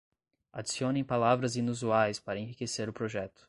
Adicionem palavras inusuais para enriquecer o projeto